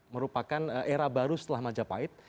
merupakan era baru setelah majapahit